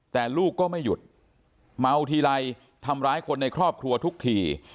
แต่ลูกก็ไม่หยุดเมาทีไรทำร้ายคนในครอบครัวทุกที